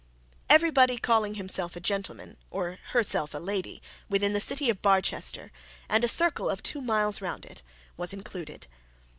Everybody calling himself a gentleman, or herself a lady, within the city of Barchester, and a circle of two miles round it, was included.